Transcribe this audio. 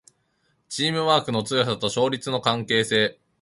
チームワークの強さと勝率の関係性